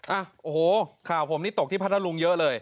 อ่ะโอ้โหข่าวผมนี่ตกที่พัทธรุงเยอะเลย